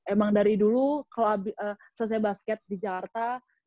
emang dari dulu kalau selesai basket di jakarta